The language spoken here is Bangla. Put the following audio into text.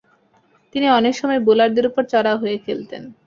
তিনি অনেক সময় বোলারদের উপর চড়াও হয়ে খেলতেন।